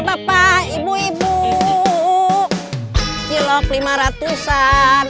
bapak ibu ibu cilok lima ratusan